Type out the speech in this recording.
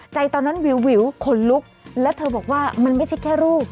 ตอนนั้นวิวขนลุกและเธอบอกว่ามันไม่ใช่แค่รูป